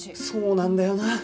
そうなんだよな。